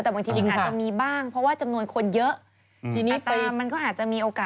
แต่บางทีลิงอาจจะมีบ้างเพราะว่าจำนวนคนเยอะทีนี้ปลามันก็อาจจะมีโอกาส